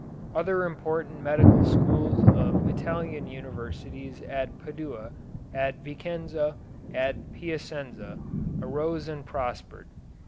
Other important medical schools of Italian universities at Padua, at Vicenza, at Piacenza, arose and prospered.